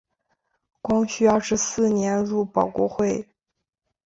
光绪二十四年入保国会。